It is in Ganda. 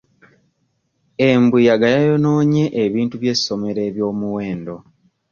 Embuyaga yayonoonye ebintu by'essomero eby'omuwendo.